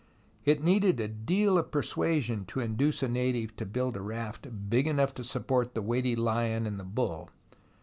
It needed a deal of persuasion to induce a native to build a raft big enough to support the weighty hon and the bull.